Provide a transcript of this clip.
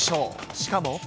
しかも。